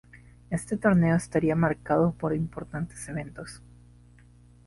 Este torneo estaría marcado por importantes eventos.